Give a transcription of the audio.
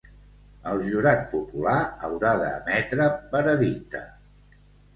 El jurat popular haurà d'emetre veredicte.